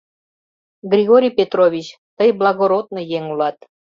— Григорий Петрович, тый благородный еҥ улат.